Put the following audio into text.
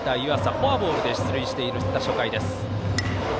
フォアボールで出塁した初回です。